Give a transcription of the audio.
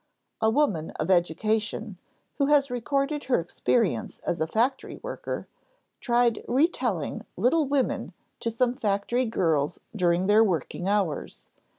A woman of education, who has recorded her experience as a factory worker, tried retelling Little Women to some factory girls during their working hours.